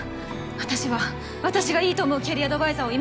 私は私がいいと思うキャリアアドバイザ